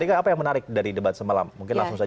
apa yang menarik dari debat semalam